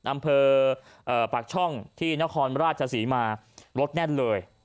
อำเภอปากช่องที่นครราชศรีมารถแน่นเลย